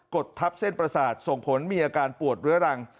ดทับเส้นประสาทส่งผลมีอาการปวดเรื้อรัง